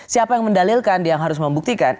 siapa yang mendalilkan yang harus membuktikan